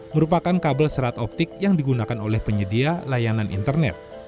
merupakan kabel serat optik yang digunakan oleh penyedia layanan internet